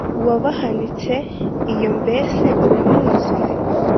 Uwabahanitse iyo mbese muramuzi?,